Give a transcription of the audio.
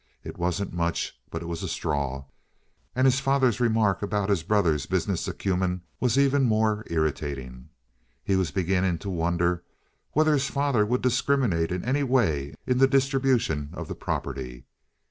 It wasn't much but it was a straw, and his father's remark about his brother's business acumen was even more irritating. He was beginning to wonder whether his father would discriminate in any way in the distribution of the property.